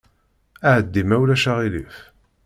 Ɛeddi, ma ulac aɣilif.